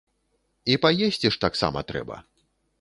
І паесці ж таксама трэба.